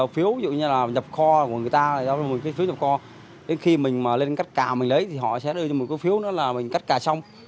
ví dụ như là nhập kho của người ta đến khi mình lên cắt cà mình lấy thì họ sẽ đưa cho mình cái phiếu đó là mình cắt cà xong